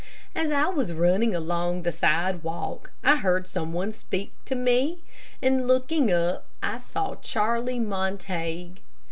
As I was running along the sidewalk, I heard some one speak to me, and looking up I saw Charlie Montague.